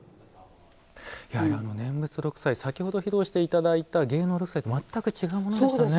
先ほど披露していただいた六斎念仏と全く違うものでしたね。